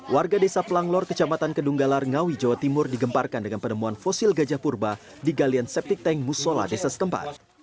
warga desa pelanglor kecamatan kedunggalar ngawi jawa timur digemparkan dengan penemuan fosil gajah purba di galian septic tank musola desa setempat